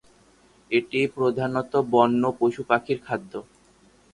এটি প্রধানতঃ বন্য পশু পাখির খাদ্য।